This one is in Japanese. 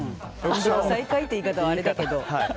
最下位っていう言い方はあれだけど。